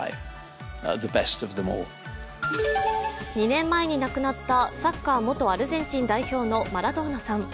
２年前に亡くなったサッカー元アルゼンチン代表のマラドーナさん。